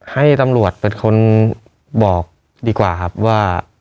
ให้ตำรวจเป็นคนบอกดีกว่าครับว่า